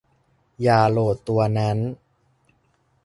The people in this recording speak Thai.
อย่าโหลดตัวนั้น